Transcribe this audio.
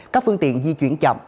các phương tiện di chuyển chậm